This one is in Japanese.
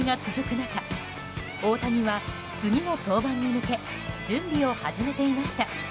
中大谷は次の登板に向け準備を始めていました。